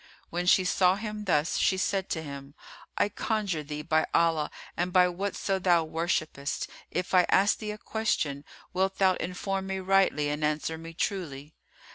When she saw him thus, she said to him, "I conjure thee by Allah and by whatso thou worshippest, if I ask thee a question wilt thou inform me rightly and answer me truly?"